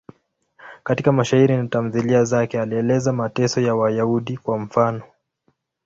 Katika mashairi na tamthiliya zake alieleza mateso ya Wayahudi, kwa mfano.